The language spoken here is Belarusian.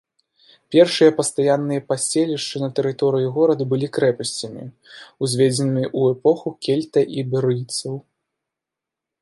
Першыя пастаянныя паселішчы на тэрыторыі горада былі крэпасцямі, узведзенымі ў эпоху кельта-іберыйцаў.